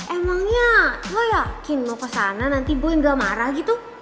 emangnya lo yakin lo kesana nanti boy gak marah gitu